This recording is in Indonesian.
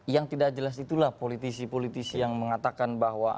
yang tidak jelas itulah politisi politisi yang mengatakan bahwa